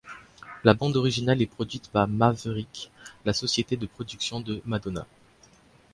La bande originale est produite par Maverick, la société de production de Madonna.